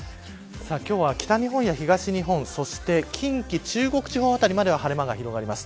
今日は北日本や東日本そして近畿、中国地方辺りまでは晴れ間が広がります。